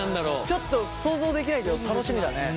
ちょっと想像できないけど楽しみだね。